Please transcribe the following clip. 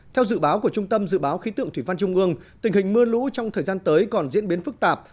theo dự báo của trung tâm dự báo khí tượng thủy văn trung ương tình hình mưa lũ trong thời gian tới còn diễn biến phức tạp